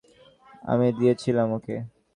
আমি দিয়েছিলাম ওকে।